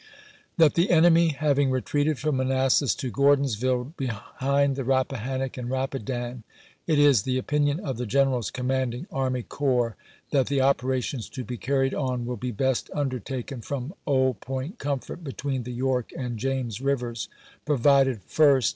That the enemy having retreated from Manassas to Gordons\'ille, behind the Rappahannock and Rapidan, it is the opinion of the generals commanding army corps that the operations to be carried on will be best under taken from Old Point Comfort, between the York and James rivers, provided — First.